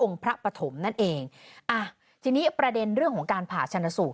พระปฐมนั่นเองอ่ะทีนี้ประเด็นเรื่องของการผ่าชนสูตร